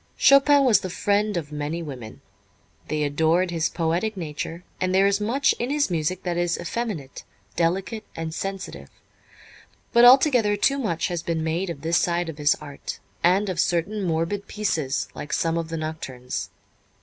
Chopin was the friend of many women. They adored his poetic nature, and there is much in his music that is effeminate, delicate and sensitive; but altogether too much has been made of this side of his art, and of certain morbid pieces like some of the Nocturnes.